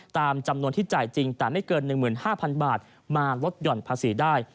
ตามจำนวนที่จ่ายจริงแต่ไม่เกิน๑๕๐๐๐บาทมาลดหย่อนภาษีได้